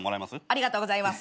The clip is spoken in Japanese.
ありがとうございます。